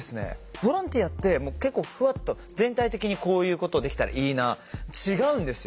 ボランティアって結構ふわっと全体的にこういうことができたらいいな違うんですよ。